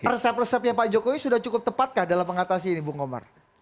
resep resepnya pak jokowi sudah cukup tepat dalam mengatasi ini buk omar